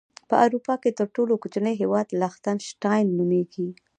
په اروپا کې تر ټولو کوچنی هیواد لختن شټاين نوميږي.